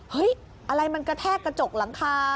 อะไรมันกระแทกกระจกหลังคา